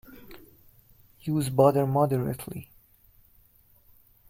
Use butter moderately.